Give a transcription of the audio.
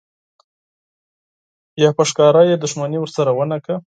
یا په ښکاره یې دښمني ورسره ونه کړه.